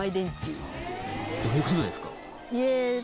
どういう事ですか？